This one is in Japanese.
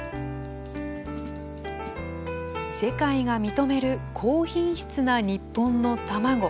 世界が認める高品質な日本の卵。